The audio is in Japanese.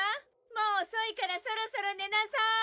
もう遅いからそろそろ寝なさい。